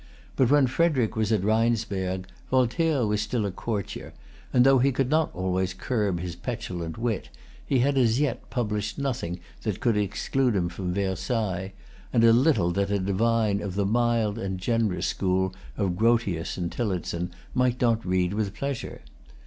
But when Frederic was at Rheinsberg, Voltaire was still a courtier; and, though he could not always curb his petulant wit, he had as yet published nothing that could exclude him from Versailles, and little that a divine of the mild and generous school of Grotius and Tillotson might not read with pleasure.